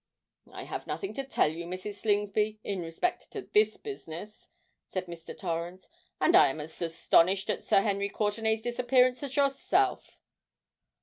"I have nothing to tell you, Mrs. Slingsby, in respect to this business," said Mr. Torrens; "and I am as astonished at Sir Henry Courtenay's disappearance as yourself."